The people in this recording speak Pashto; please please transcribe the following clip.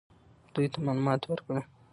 دوی ته معلومات ورکړه.